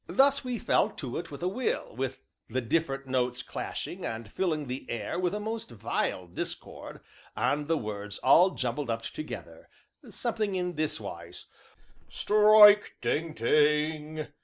Thus we fell to it with a will, the different notes clashing, and filling the air with a most vile discord, and the words all jumbled up together, something in this wise: "Strike! ding! ding!